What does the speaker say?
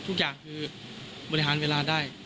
ทุกอย่างคือบริหารเวลาได้